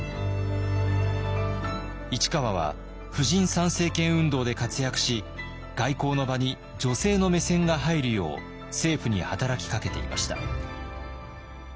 市川は婦人参政権運動で活躍し外交の場に女性の目線が入るよう政府に働きかけていました。